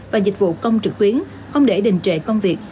và dịch vụ công trực tuyến không để đình trệ công việc